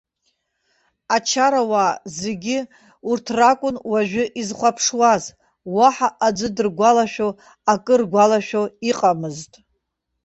Ачарауаа зегь урҭ ракәын уажәы изхәаԥшуаз, уаҳа аӡәы дыргәалашәо, акы ргәалашәо иҟамызт.